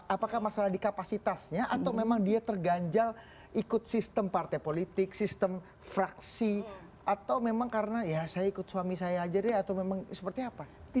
apakah masalah di kapasitasnya atau memang dia terganjal ikut sistem partai politik sistem fraksi atau memang karena ya saya ikut suami saya aja deh atau memang seperti apa